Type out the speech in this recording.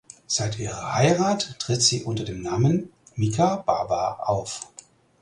Seit ihrer Heirat tritt sie unter dem Namen "Mika Baba" auf.